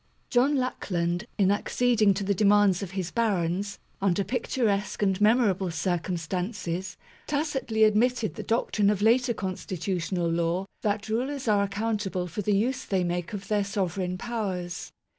John Lackland, in acceding to the demands of his barons, under picturesque and memorable circum stances, tacitly admitted the doctrine of later con stitutional law that rulers are accountable for the use they make of their sovereign powers.